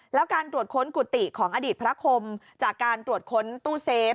แล้วการตรวจค้นกุฏิของอดีตพระคมจากการตรวจค้นตู้เซฟ